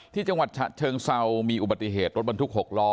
จังหวัดฉะเชิงเซามีอุบัติเหตุรถบรรทุก๖ล้อ